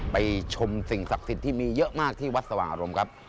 ไปชมสิ่งศักดิ์สิทธิ์ที่มีเยอะมากที่วัดสว่างอารมณ์ครับ